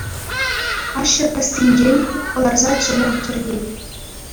Ашшӗ кӗсйинчен хут кӑларса чӗлӗм чӗркет.